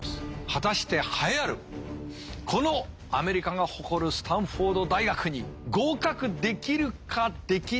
果たして栄えあるこのアメリカが誇るスタンフォード大学に合格できるかできないか。